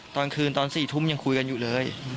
ตอนคืนตอน๔ทุ่มยังคุยกันอยู่เลย